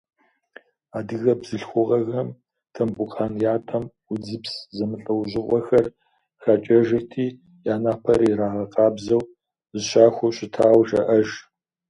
Адыгэ бзылъхугъэхэм Тамбукъан ятӏэм удзыпс зэмылӏэужьыгъуэхэр хакӏэжырти, я напэр ирагъэкъабзэу, зыщахуэу щытауэ жаӏэж.